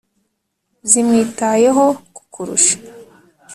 zimwitayeho kukurusha